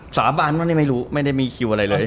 สาบานว่านี่ไม่รู้ไม่ได้มีคิวอะไรเลย